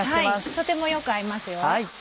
とてもよく合いますよ。